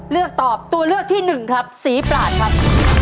เลือกตอบตัวเลือกที่หนึ่งครับสีปลาดครับ